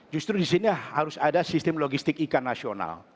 justru disini harus ada sistem logistik ikan nasional